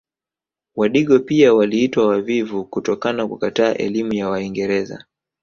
Wadigo pia waliitwa wavivu kutokana kukataa elimu ya waingereza